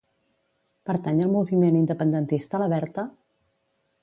Pertany al moviment independentista la Berta?